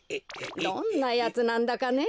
どんなやつなんだかねえ？